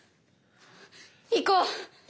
行こう！